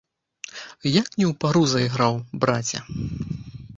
Як не ў пару зайграў, браце.